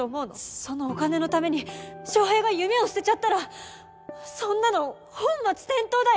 そのお金のために翔平が夢を捨てちゃったらそんなの本末転倒だよ！